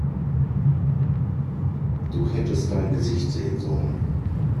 Du hättest dein Gesicht sehen sollen!